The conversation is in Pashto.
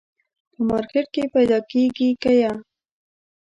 په مارکېټ کي پیدا کېږي که یه ؟